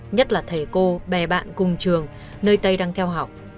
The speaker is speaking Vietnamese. nhất là thầy cô bè bạn cùng trường nơi tây đang theo học